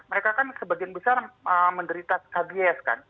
mereka kan sebagian besar menderita rabies kan